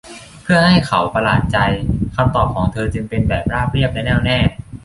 เพื่อให้เขาประหลาดใจ คำตอบของเธอจึงเป็นแบบราบเรียบและแน่วแน่